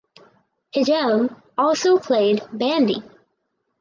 Hjelm also played bandy.